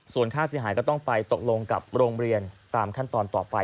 ส่วนค่าเสียหายก็ต้องไปตกลงกับโรงเรียนตามขั้นตอนต่อไป